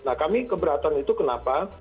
nah kami keberatan itu kenapa